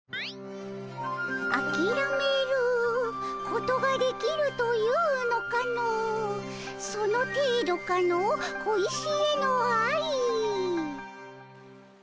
「あきらめることができるというのかのその程度かの小石への愛」。